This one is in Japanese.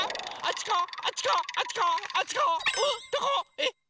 えっ？